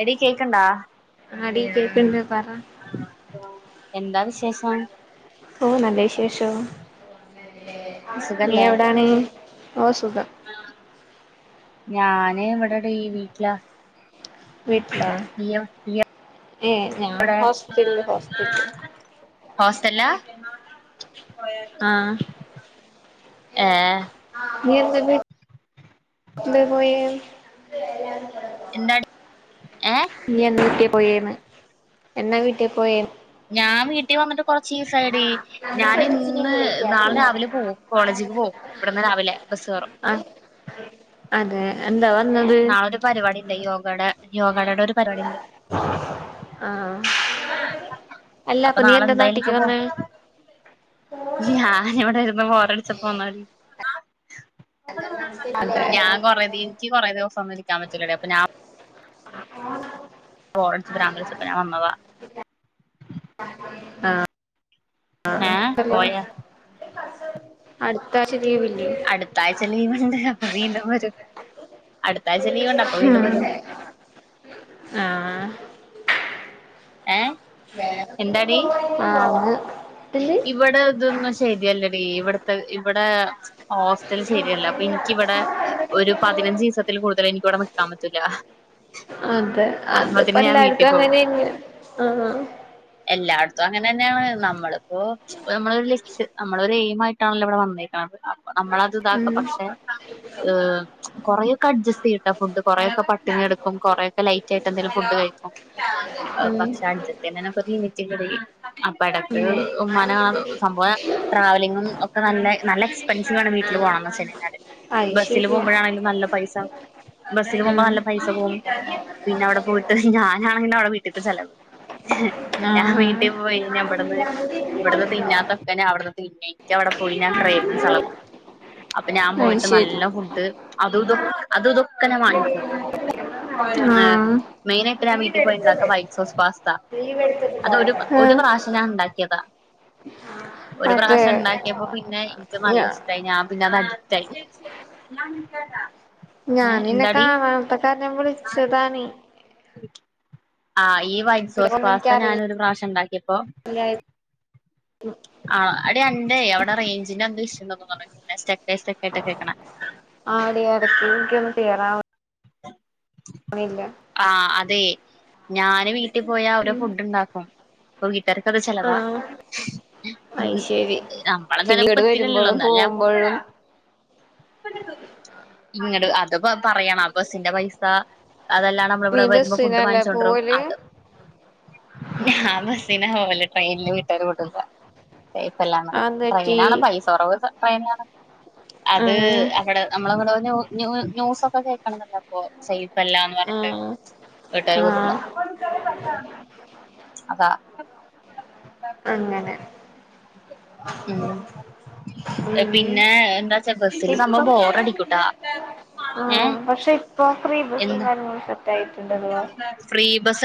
എടി കേക്ക്ണ്ടാ? അടി ക്കെക്ക്ണ്ട് [unintelligible] എന്താ വിശേഷം ഓ നല്ല വിശേഷം നീ സുഖല്ലേ എവിടാണ് ഓ സുഖം ഞാന് ഇവിടെ ടെ ഈ വീട്ടിലാ [inaudible] വീട്ടിലെ നീയോ ആ ഞാൻ നീയെവിടെ ഹോസ്റ്റലിൽ ഹോസ്റ്റലാ ആഹ് ഏ [inaudible] നീയെന്ന വീട്ടിൽ പോയ എന്താടി ഏഹ നീ [inaudible] എന്നാ വീട്ടിൽ പോയ ഞാൻ വീട്ടിൽ വന്നിട്ട് കൊറച്ചീസായടി അന്റെ ഫ്രണ്ട്സിനെ ഞാനിന്ന് വിളിക്കാ നാളെ പിള്ളേരെ രാവിലെ പോവും കോളേജ്ക്ക് പോവും ഇവിടന്ന് രാവിലെ ബസ് കേറും അതേ എന്താ [inaudible] നാളെ ഒരു പരിവാടിണ്ടേയ് യോഗടെ യോഗടെടെ ഒരു പരിവാടി ണ്ട് ആഹ ആഹ അപ്പൊ നാളെ നാട്ടിക്ക് എന്തായിലക്കപ്പോ വന്നേ ഞാന ഇവിടെ ഇന്ന് ബോറടിച്ചപ്പോൾ പോന്നാല് അതെ സമധിക്കാൻ പറ്റില്ല അപ്പൊ ആഹ ബോറടിച്ച് ഭ്രാന്ത് പിടിച്ചപ്പോ ഞാൻ വന്നതാ ആ [inaudible] ആഹ ഏ ആഹ ഹലോ പോയാ അടുത്ത ആഴ്ച അടുത്ത ആഴ്ച ലീവ് ഉണ്ട് അപ്പൊ വീണ്ടും വരും അടുത്താഴ്ച ലീവ് ഉണ്ട് അപ്പൊ വീണ്ടും ഉം വരും ഏ ആഹ എന്താടി അത് എന്ത് ഇവിടെ അതൊന്നും ശരി അല്ലേ ഇവിടുത്തെ ഇവിടെ ഹോസ്റ്റൽ ശരിയല്ല അപ്പൊ എനിക്കിവിടെ ഒരു പതിനഞ്ച് ദിവസത്തിൽ കൂടുതൽ എനിക്കിവിടെ നിക കാ മത്തുല്ല അതെ അത്പ്പല്ലാര്ത് പോകും അങ്ങനെ ന്നാണ് ആ ന്നെയാണ് നമ്മള് പ്പോ നമ്മളൊരു ലക്ഷ നമ്മളൊരെയ്മായിട്ടാണല്ലോ ഇവിടെ വന്നേക്ക്ണേ അ നമ്മളത് ഇതാക്ക ഉം പക്ഷെ ഏഹ് കൊറേയൊക്കെ അഡ്ജസ്റ്റ് ചെയ്യുട്ടാ ഫുഡ് കൊറേയൊക്കെ പട്ടിണി കെട്ക്കും കൊറേയ്ക്കെ ലൈറ്റിട്ട് എന്തേലും ഫുഡ് കഴിക്കും ഉം പക്ഷെ അഡ്ജസ്റ്റ് ചെയ്യ്ന്നെനൊക്കെ ലിമിറ്റ്ലെടെ ക അപ്പടക്ക് ഉം ഉമ്മാന സംഭവം ട്രാവലിങ്ങും ഒക്കെ നല്ല നല്ല എക്സ്പെൻസീവാണ് വീട്ടില് പോകണംന്ന് വച്ചയ്ഞ്ഞാല് അത് ബസ്സില് ശരിയാ പോകുമ്പോഴാണേലും നല്ല പൈസ ബസ്സിന് പോകുമ്പോ ഉം നല്ല പൈസ പോകും പിന്നെ അവിടെ പോയിട്ട് ഞാനാണെങ്കിലവിടെ വീട് ചെലവ് ആ ഞാൻ വീട്ടീ പോവങ്ങെനെയാവട്ന്ന് ഇവിട്ന്ന് തിന്നാത്തൊക്കെ ഞാ അവ്ട്ന്ന് പിന്നേക്ക് അവിടെ പോയി ഞാൻ [unintelligible] അപ്പൊ ഞാൻ അത് പോയിട്ട് ശരി നല്ലോം ഫുഡ് അ [unintelligible] ആ മെയിനായിയിട്ട് ഞാൻ വീട്ടിൽ പോയണ്ടാക്ക വൈറ്റ് സോസ് പാസ്ത അതൊ ഒരു പ ആ ഒരു പ്രാശഞാണ്ടാ ക്കിയതാ ഒരു അതെ പ്രാവശ്യം ണ്ടാക്കിയപ്പോ പിന്നെ ൻക്ക് ഞ നല്ല ഇഷ്ടായി ഞാൻ പിന്നെ അത് ട്ടായി ഞാൻ നിന്നെ കാണത്ത കാരണം വിളി ച്ചതാണേ ശരി ആ ഈ വൈറ്റ് സോസ് ഒന്നും പാസ്ത എനിക്കറിയില്ല ഞാനൊരു പ്രശംണ്ടാ ഇപ്പോം [unintelligible] ആ അടി അന്റേ അവ്ടെ റേയ്ഞ്ചിനെന്തോ ഇഷ്യൂണ്ട് തോന്നണെ സ്റ്റെക്ക് സ്റ്റെക്കായിട്ട കേക്കണെ ആടി എടക്ക് ൻക്കാെന്ന് ക്ലിയറാവ് ആ അതേ ഞാന് വീട്ടി പോയാ അവര് ഫുഡ്ണ്ടാക്കും അപ്പൊ വീട്ടാർക്കത് ചെലവാ അയ്ശെരി നമ്മളെ പിന്ന ചെലവ് ഇങ്ങട് ഇത്തിരിയല്ലല്ലോ വര്മ്പളും എന്നാലും ഞാൻ പോകുമ്പഴും ഇങ്ങട് അത് പറയാണോ ബസിന്റെ പൈസ അതെല്ലാം നീ നമ്മളിവിടെ വരുമ്പോ ഫുഡ് ബസ്സിനല്ലേ വാങ്ങിച്ചോണ്ടിരും പോവല് അത് ഞൻ പറ ബസ്സിനാ പോകല് ട്രെയിനില് വീട്ടുകാരും വിടൂല ഇപ്പല്ലാം അതെന്ത് ട്രെയിന പറ്റി ആണ് പൈസ കൊ റവ് പനിയാണ് അത് ആഹ് അവിടെ നമ്മളങ്ങടെ ന്യൂസ് ഒക്കെ കേട്ടി നല്ലപ്പോ ചെയ് [unintelligible] ല്ലന്ന് പറഞ്ഞിട്ട് ആഹ് വീട്ടുകാരെ വിടൂല ആഹ് അതാ അങ്ങനെ ഉ ഉം പിന്നെ എന്താച്ചാ ബസില് ഇപ്പൊ സംഭവ ബോറടിക്കൂട്ടാ ഏ ആഹ് പക്ഷെ ഇപ്പൊ ഫ്രീ ബസും എന്ത് കാര്യങ്ങളും സെറ്റ് ആയിട്ടുണ്ടല്ലേ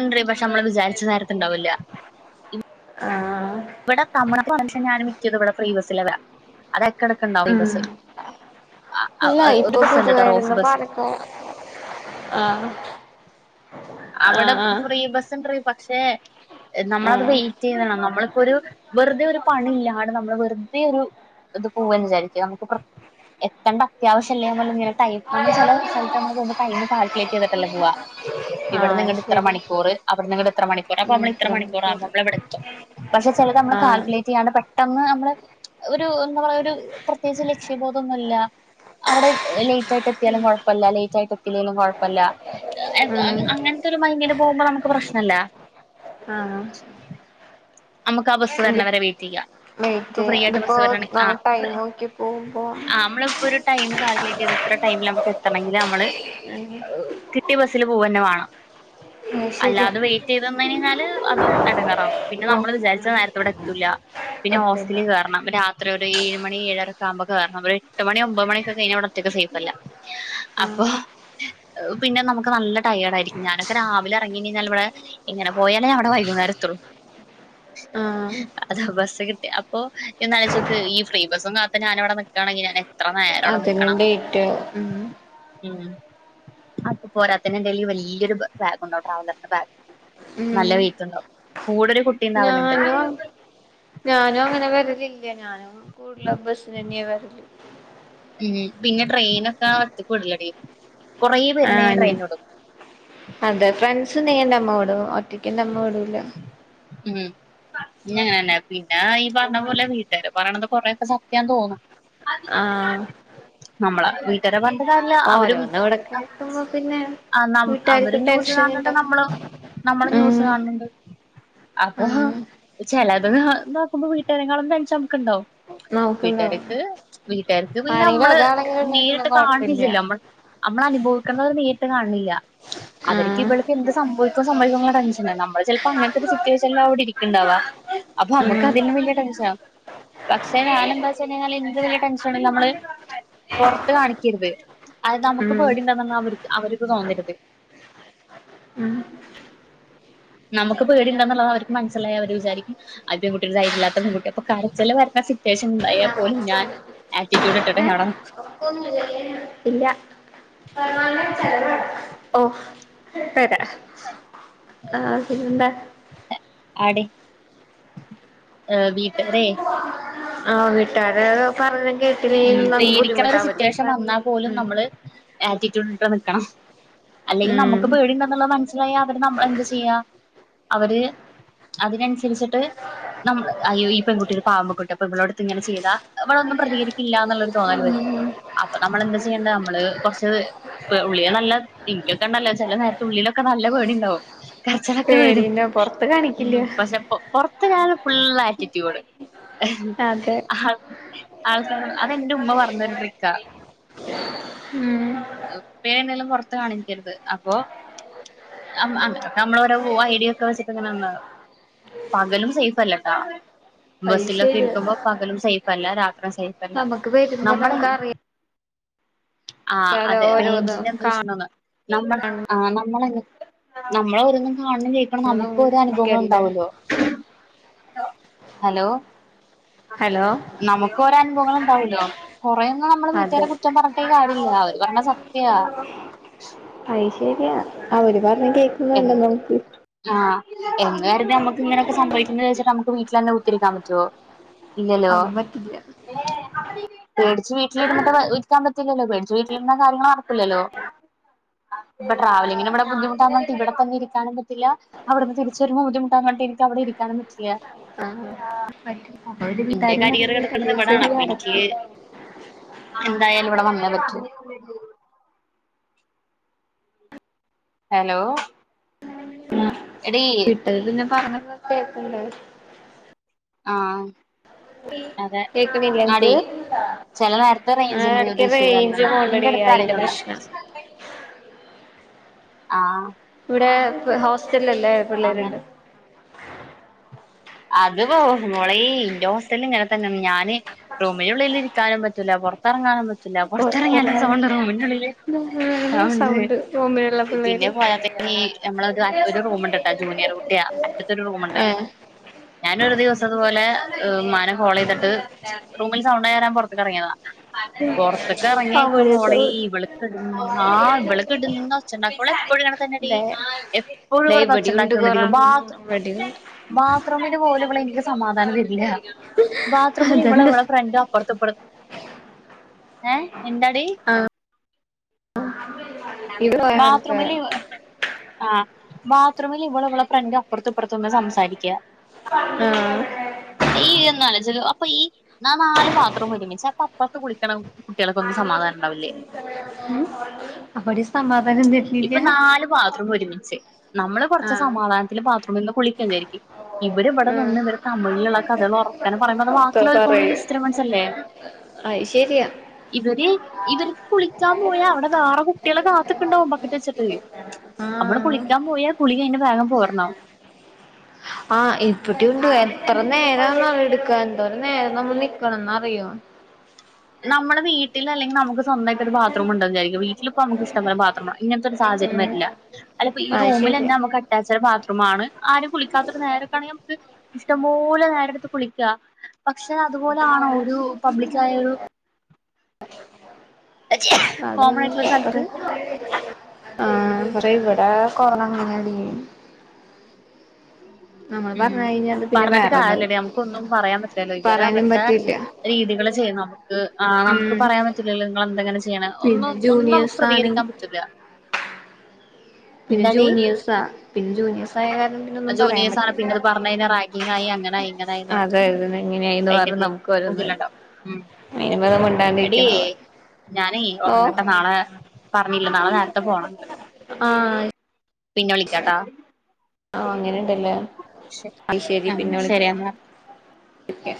ഉണ്ടടി പക്ഷെ നമ്മള് വിചാരിച്ച നേരത്തണ്ടാവൂല്ല ആഹ് ഇവിടൊ കമന ഞാൻ മിക്കിയത് ഇവിടെ ഫ്രീ ബസ്സില വരാ ഉം ഇല്ല ഒരു ഇപ്പൊ ബസ് ഉണ്ട് ട്ടോ റോസ് പൊതുവായിരരുന്നു ബസ് പാലക്ക ആ അവിടെ ഫ്രീ പക്ഷെ നമ്മളത് ആഹ് വെയിറ്റ് ചെയ്യതണം നമ്മള് ഒരു വെറുതെ ഒരു പണില്ലാണ്ട നമ്മള് വെറുതെ ഒരു ഇത് പോവന്ന് വിചാരിക്യ നമുക്ക് പ്ര എത്തണ്ട അത്യാവശ്യംല്ലേമ്മള് ടൈം നമ്മള് ചില സ്ഥലത്ത് മ്മള് പോമ്പോ ടൈം കാൽക്കുലേറ്റ് ചെയ്തിട്ടല്ലേ പോവാ ആഹ് ഇവിടന്നിങ്ങട്ട് ത്ര ശരി മണിക്കൂറ് അവിടന്നങ്ങട്ട് ത്ര മണിക്കൂറ് അപ്പ ഉം മ്മള് ത്ര ഇത്ര മണിക്കൂറാവുമ്പോ മണിക്കൂറ് മ്മള് ഇവിടെത്തും പക്ഷെ ചെലത് മ്മള് ആഹ് കാൽക്കുലേറ്റ് ചെയ്യാണ്ട് പെട്ടെന്ന് നമ്മള് ഒരു എന്താ പറയാ ഒരു പ്രത്യേകിച്ച് ലക്ഷ്യബോധൊന്നുല്ല അവിടെ റ്റാട്ടെത്തിയാലും കൊഴപ്പല്ല ലേറ്റ് ആയിട്ടും ളും കൊഴപ്പല്ല [inaudible] ഉം അങ്ങനത്തൊരു മൈ പോമ്പോ നമുക്ക് പ്രശ്നല്ല ആ നമുക്ക് ആ ബസ് വരണവരെ വെയിറ്റ് ചെയ്യാം വെയിറ്റ് ഇപ്പൊ ഫ്രീ ചെയ്യാം ആയിട്ട് ഇതിപ്പോ ബസ്സ് വരണ ആ നമ്മ ടൈം നോക്കി പോകുമ്പോ ആ അമ്മളിപ്പൊ ഒരു ടൈം കാൽക്കുലേറ്റ് ചെയ്ത് ഇത്ര ടൈമില് നമുക്ക് എത്തണെങ്കില് [inaudible] [unintelligible] ഈബസ്സിൽ പോവന്നെ വേണം അത് ശരി അല്ലാതെ വെയിറ്റ് ചെയ്ത് ന്ന് ഞ്ഞാല് അത് എടങ്ങാറാവും പിന്നെ നമ്മള് നോക്ക് വിചാരിച്ച നേരത്തെ ഇവിടെ എത്തൂല്ല പിന്നെ എത്തില്ല ഹോസ്റ്റലിൽ കേറണം രാത്രി ഒരു ഏഴ് മണി ഏഴരക്ക ആ കുമ്പൊ കേറണം ഒരെട്ട് മണി ഒമ്പത് മണിക്കെ കഴിഞ്ഞാ അവിടൊറ്റക്ക് സേഫല്ല അപ്പൊ ആഹ് പിന്നെ നമുക്ക് നല്ല ടയേടായിരിക്കും ഞാനൊക്കെ രാവിലെ ഇറങ്ങി ഞ്ഞാൽ ഇവിടെ എങ്ങനെ പോയാലേ അവിടെ വൈകുന്നേരത്തുള്ളൂ ആഹ് അതാ ബസ്സ് കിട്ടി അപ്പൊ ഒന്നാലോയ്ച്ചോക്ക് ഈ ഫ്രീ ബസ്സും കാത്ത് ഞാനവിടെ നിക്കാണെങ്കിൽ ഞാനെ അതിലുംലേറ്റാവും ഉം അപ്പ പോരാത്തേന് എന്റേല് വല്യൊരു ബാഗ് ഉണ്ടാ ട്രാവലറിന്റെ ബാഗ് നല്ല വെയിറ്റ് ഉണ്ടാകും കൂടൊരു കുട്ടി ഉണ്ടാവലുണ്ട് ഞാനോ ഞാനോ അങ്ങനെ വരലില്ല ഞാനും കൂടല് ബസിനന്നെ യാ വരല് ഉം പിന്നെ ട്രെയിനക്കെ ഒറ്റക്ക് വിടുല്ല ടീ ആ അതെ ഫ്രെൻസ് സുണ്ടേഅമ്മ വി ടോ ഒറ്റക്കെന്റെ അമ്മ വീടൂല്ല ഉം ന്നെ ങ്ങനന്നെ പിന്ന ഈ പറഞ്ഞ പോലെ വീട്ടുകാര് പറയണത് കൊറെയൊക്കെ സത്യാന്ന് തോന്നും ആ നമ്മള വീട്ടാര് പറ അല്ല അല്ലഅവരും ഓരോന്ന് ഇവിടെ കേക്കുമ്പോ പിന്നെ അ നം വീട്ടാർക്കും അവരും ന്യൂസ് ടെൻഷൻ കാണുന്നുണ്ട് ഉണ്ടാവും നമ്മളും നമ്മളും ന്യൂസ് ഉം കാണുന്നുണ്ട് അപ്പൊ ആഹ് ചെലത് നോക്കുമ്പോ വീട്ടാരെങ്ങാളും ടെൻഷൻ മ്മക്ക്ണ്ടാവും നോക്കുണ്ടാവും വീട്ടുകാർക്ക് വീട്ടുകാർക്ക് പിന്നെ ആരെങ്കിലും അമ്മള് ഒരാളെങ്കിലും ഉണ്ടെങ്കി പിന്നെ നേരിട്ട് കൊഴപ്പില്ല കാണണ്ടില്ലില്ലോ നമ്മൾ നമ്മൾ അനുഭവിക്കണത് നേരിട്ട് കാണുന്നില്ല അവർക്ക് ഉം ഇവൾക്ക് എന്ത് സംഭവിക്കോ സംഭവിക്കോ എന്നുള്ള ടെൻഷനാ നമ്മൾ ചെൽ പ്പങ്ങനത്തെ ഒരു സിറ്റുവേഷനിലാ അവിടെ ഇരിക്കണ്ടാവ അപ്പോ നമുക്ക് ഉം അതിലും വലിയ ടെൻഷനാ പക്ഷേ ഞാൻ എന്താന്ന് വെച്ച് കഴിഞ്ഞാല് എനിക്ക് വലിയ ടെൻഷനില്ല നമ്മള് പൊറത്ത് കാണിക്കരുത് നമുക്ക് പേടിയുണ്ടെന്ന് അവർക്ക് തോന്നരുത് ഉം നമുക്ക് പേടിയുണ്ടെന്ന്ള്ളത് അവർക്ക് മനസ്സിലായാ അവര് വിചാരിക്കും ആ പെൺകുട്ടി ഒരു ധൈര്യല്ലാത്ത പെൺകുട്ടിയാ അപ്പോ കരച്ചിൽ വരുന്ന സിറ്റുവേഷൻ ഉണ്ടായാൽ പോലും ഞാൻ ആറ്റിറ്റ്യൂഡ് ഇട്ടട്ടെ ഞാനവിടെ നിക്കൂ ഏ ഇല്ല പെട ആവ [unintelligible] എന്താ ആടി വീട്ടാരെ ആഹ് വീട്ടാരാരോ പറ [unintelligible] പേടിക്ക്ണാരു സിറ്റ്വാഷൻ വന്നാ പോലും ഉം നമ്മൾ ആറ്റിറ്റ്യൂഡ് ട്ട് നിക്കണം അല്ലെങ്കി ഉം നമക്ക് പേടിയുണ്ടെന്നുള്ളത് മൻസ്സി ആയാ അവർ നമ്മളെ എന്ത് ചെയ്യാ അവർ അതിനൻസരിച്ചിട്ട് നമ്മൾ അയ് ഈ പെൺകുട്ടിക്ക് പാവം പെ [unintelligible] പെൺപുള്ളാരെടുത്ത് ഇങ്ങനെ ചെയ്താ വളർന്നും പ്രതികരി ക്കില്ലാ എന്നൊരു തോന്നല് വരും അപ്പൊ നമ്മൾ എന്താ ചെയ്യണ്ടെ നമ്മൾ കുറച്ച് ഉള്ളിലൊക്കെ തീക്കണ്ടലോ ചില നേരത്ത് ഉള്ളിലൊക്കെ നല്ല പേടിയുണ്ടാവും പ്രഷറൊക്കെ വരും പേടിന്നെ പൊറത്ത് കാണിക്കില്ല മ് പക്ഷെ പ് പൊറ ഇപ്പഴാണ് ഫുൾ ആറ്റിറ്റ്യൂഡ് ഹ് അതെ ഹാ ആഹ് അത്‌ എന്റെ ഉമ്മ പറഞ്ഞൊരു ട്രിക്കാ ഉം പ്പേന്ന് ള്ളെ പൊറത്ത് കാണിക്കരുത് അപ്പൊഅം അമ്മളോരോ പോവാ ഐഡിയൊക്കെ വെച്ചിട്ട് ഇങ്ങനെ നിന്ന പകലും സെയിഫ് അല്ലട്ടാ അത് ബസിലൊക്കെ ശരിയാ ഇരിക്കുമ്പോ പകലും സേഫ് തല്ലാരാ നമുക്ക് വരുംന്ന് പറഞ്ഞാ നമ്മക്ക് അറിയ ആ അതെ റേഞ്ച്ന്റെ എന്തോ കാണ ഇഷ്യൂന്ന് നമ്മൾ ആഹ് നമ്മള് എങ്ങൻ നമ്മള് ഒതുങ്ങ്ന്ന ആളിന് ജയിക്കണം നമുക ന്നതും മുക്ക് അനുഭവങ്ങൾ ഒക്കെയല്ലേ ഇണ്ടാവോല്ലോ ഹലോ ഹലോ നമക്ക് ഓരോ അനുഭവങ്ങൾ തവിലോ കൊറേങ്ങ് നമ്മള് വീട്ടുകാരെ കുറ്റം പറഞ്ഞിട്ട് കാര്യ [unintelligible] വരണ സമയ ആയി ശരിയാ അവര് പറ കേക്കുന്നുണ്ടോ എന്ത് നോക്ക് ആഹ് എന്ന് കരുതി നമ്മുക്ക് ഇങ്ങനൊക്കെ സംഭവിക്കുമെന്നു വിചാരിച്ച് നമുക്ക് വീട്ടിലന്നെ കുത്തിയിരിക്കാൻ പറ്റുവോ ല്ലല്ലോ അതും പറ്റില്ല മ് ജ് വീട്ടില് ഇരുന്നിട്ട് ഇരിക്കാൻ പറ്റില്ലല്ലോ പേടിച്ചു വീട്ടിലിരുന്നാൽ കാര്യങ്ങൾ നടക്കുല്ലല്ലോ ഇപ്പൊ ട്രാവലിങ്ങിന് ഇവിടെ ബുദ്ധിമുട്ടാ ഇവിടെ തന്നെ ഇരിക്കാനും പറ്റില്ല അവിടുന്ന് തിരിച് വരുമ്പോ ബുദ്ധിമുട്ടാണ് ന്ന് വച്ച് എനിക്ക് അവിടെ ഇരിക്കാനും പറ്റില്ല ആഹ് അവര് എന്റെ വീട്ടാര് കരിയർ പറഞ്ഞ കടുക്കണത് ഇവിടാണ് ശരി അപ്പൊ എനിക്ക് അടക്കം എന്തായാലും ഇവിടെ വന്നേ പറ്റൂ ഹലോ എടീ വിട്ടത് പിന്നെ പറഞ്ഞ കേക്കണ്ടെ ആ കേക്കണില്ല അനക്ക് ചെല നേരത്തെ ആ റേഞ്ചിന്റെ ഒരു ഇടക്കെ ഇഷ്യൂ റേഞ്ച് വരണുണ്ട് നിന്റെ പോണ്ടടീ അടുത്ത് അയിന്റെ ആരേലും ഉണ്ടോ പ്രശ്ന ആ ഇവിടെ ഹോ - റ്റല്ലല്ലേ അങ്ങനെ പിള്ളേരുണ്ട് അത് പോ മോളെ ഇന്റെ ഹോസ്റ്റലിൽ ഇങ്ങനെ തന്നെ ഞാന് റൂമിനുള്ളിൽ ഇരിക്കാനും പറ്റൂല്ല പുറത്തിറങ്ങാനും പറ്റ ത്തില്ല പുറത്തിറങ്ങിയാലും പൊറത്തിറങ്ങാൻ സൗണ്ട് റൂമിനുള്ളില് സൗണ്ട് റൂമിലുള്ള പിന്നെ പിള്ളേര് പോയാത്തതിന്ന്നമ്മളത് ഒരു റൂമുണ്ട് കേട്ടാ ജൂനിയർ കുട്ടിയ അറ്റത്തൊരു റൂമുണ്ട് ഏഹ് ഞാന് ഒരു ദിവസം ഇതേപോലെ ഉമ്മാനെ കോൾ ചെയ്തിട്ട് റൂമിൽ സൗണ്ടായി താർണം പുറത്തേക്ക് ഇറങ്ങിയതാ പൊറത്തേക്ക് ഇറങ്ങിയിരിക്കുമ്പോ അവര് മോളെ സൗ ഇവൾ ഇവടെ കിടന്ന് ആ അതെ ഇവള് കിടന്ന് ഒച്ചണ്ടാക്കോളീ ഇവളെ പ്പോഴും ഇങ്ങനെ തന്നെയാടീഎപ്പോഴും ദേ ഒച്ച ഇവിടെയുണ്ട് ഒണ്ടാക്കീ കൊണ്ട് ഇരിക്കും കൊറെണ്ണം ബാത്ത് ഇവിടെയുണ്ട് പോലും ഇവള്എനിക്ക് സമാധാനം തരില്ല ബാത്റൂമിൽ ഇവടെ അതെന്താ ഇവടെെ ഫ്രണ്ട് അപ്പുറത്തെപ്പടുന്നു ഏ എന്തടി ആഹ് ഇവിടെ അങ്ങനത്തെ ബാത്രറൂമില് ആഹ ബാത്റൂമിൽ ഇവള ഇള പ്രംഗ അപ്പുറത്ത് ഇപ്പുറത്തൊന്ന് സംസാരിക്കുക ആഹ് കന്നല്ല ച [unintelligible] അപ്പൊ ഈ നാല് ബാത്റൂം ഒരുമിിച്ച അപ്പ അപ്പുറത്ത് കുളിക്കണം കുട്ടികൾക്കൊന്നും സമാധാനം ഉണ്ടാവില്ലേ അവിടെ സമാധാനം തരുന്നില്ല ഇപ്പൊ നാല്ു ബാത്രറൂം ഒരുമിച്ചേ നമ്മള് കൊറച്ച് ആഹ് സമാധാനത്തില് ബാത്റൂമ നിന്ന് കുളിക്കുകചായിരിക്കും ഇവര് ഇവിടെ ആഹ് നിന്ന് ഇവര് തമിഴിലുള്ള കഥകൾ ഉറക്ക പറയുമ്പോ അത് ഒക്കെ ബാക്കിലക്ക പറയും വിസ്രം മനസ്സല്ലേ അത് ശരിയാ ഇവര് ഇവർക്ക് കുളിക്കാൻ പോയാ അവിടെ വേറെ കുട്ടികളെ കാ ണ്ടക്ക വെച്ചട്ട് നമ്മള് ആഹ് കുളിക്കാൻ പോയാള [unintelligible] താങ്ങ പോർണോ ആഹ് ഇപ്പട്ടി ഉണ്ട് എത്ര നേരംള എടു ന എന്തോര നേ നമ്മൾ നിക്കണംന്ന അറിയോ നമ്മുടെ വീട്ടിൽ അല്ലെങ്കിൽ നമുക്ക് നവായിട്ട ഒരു ബാത്റൂം ഉണ്ടരിക്കും വീട്ടിലിപ്പ നമക്ക് ഇഷ്ട പോല ബാത്റൂംണ് അങ്ങനത്തെ ഒരു സാഹര്യ ഉം വരില്ല അപ്പപ്പോ അത് ഈറൂമിൽന്നെ ശരിയാ നമക്ക് അറ്റാച്ചഡ ബാത്റൂ ആരും കുളിക്കാത്ത ഒരു നേരൊക്കെണെങ്കിൽ നമക്ക് ഇഷ്ടംപോലെ നേരെ അടുത്ത് കുളിക്കുക ക്ഷെ അതുപോലെ ആണോ ഒരു പബ്ലിക്കായ കോമൺ ആയിട്ടുള്ള ഒരു സ്ഥലത്ത് അതങ്ങപപ്പറ് ആഹ് അറവിടെ കൊറോണങ്ങനാടി ഉം പിന്നെ പറഞ്ഞിട്ട് വേറെതാവും കാരില്ലടി മ്മക്കൊന്നും പറയാൻ പറ്റില്ലല്ലോ ഇവരെ പറയാനും അവർടെ പറ്റില്ല രീതികള് ചെയ്യുന്നു നമുക്ക് ആഹ് ഉം നമക്ക്പറയാൻ പറ്റില്ലല്ലോ നിങ്ങളെന്താങ്ങനെചെ- ണെ പിന്നെ ഒന്നും ഒന്നും നമുക്ക് ജൂനിയേഴ്സാണ് പ്രതികരിക്കാൻ പറ്റില്ല പിന്നെ ജൂനിയേഴ്സ പിന്നെ ജൂനിയേസായ കാരണം- പിന്നെ ഒന്നും പറയാൻ ജൂനിയേഴ്സ് പറ്റില്ല ആണ്പ്പിന്നെത് പറഞ്ഞഴിഞ്ഞ റാങ്കിങ്ങായി അങ്ങനായ് ഇങ്ങനായ്ന്ന്ട്ട് അതായിരുന്നു എങ്ങനെയായിന്ന് അയിന്റെ പറഞ്ഞ് പേരില് നമുക്ക് ഓരോന്ന് പുകിലൊണ്ടായ് അയിനും ഭേദം മിണ്ടാണ്ടിരിക്കണതാ ഓ ആഹ് പിന്നെ വിളിക്കാട്ടാ ആഹ അഅങ്ങനെണ്ടല്ലേ ആഹ് ശരി പിന്നെ ശരി എന്നാ വിളിക്ക